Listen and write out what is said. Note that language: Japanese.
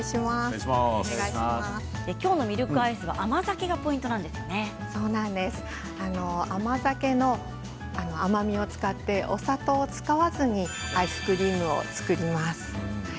きょうのミルクアイスは甘酒の甘みを使ってお砂糖を使わずにアイスクリームを作ります。